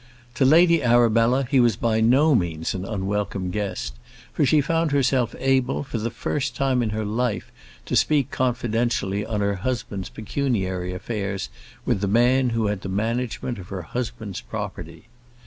To Lady Arabella he was by no means an unwelcome guest, for she found herself able, for the first time in her life, to speak confidentially on her husband's pecuniary affairs with the man who had the management of her husband's property.